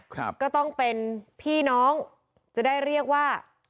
ก็ต้องเป็นพี่น้องจะได้เรียกว่า